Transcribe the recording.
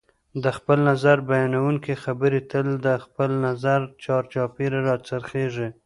د خپل نظر بیانونکي خبرې تل د خپل نظر چار چاپېره راڅرخیږي